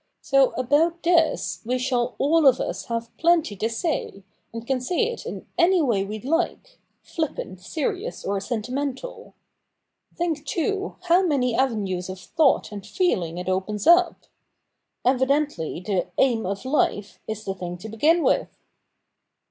So about this we shall all of us have plenty to say, and can say it in any way we hke, flippant, serious, or sentimental. Think, too, how many avenues of thought and feeling it opens up ! 14 THE NEW REPUBLIC [bk. i Evidently the " Aim of Life '■'' is the thing to begin with.'